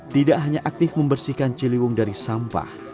tidak hanya aktif membersihkan ciliwung dari sampah